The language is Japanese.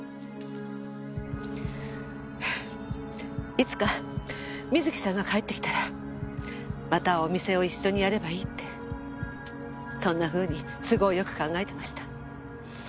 いつか瑞希さんが帰ってきたらまたお店を一緒にやればいいってそんなふうに都合よく考えてました。